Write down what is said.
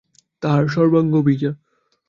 তাঁহার সর্বাঙ্গ ভিজা।